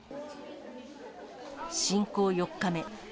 侵攻４日目。